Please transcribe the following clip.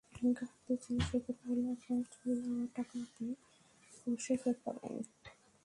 গ্রাহকদের জন্য সুখবর হলো, আপনার চুরি হওয়া টাকা আপনি অবশ্যই ফেরত পাবেন।